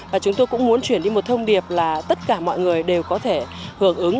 và chúng tôi cũng muốn chuyển đi một thông điệp là tất cả mọi người đều có thể hưởng ứng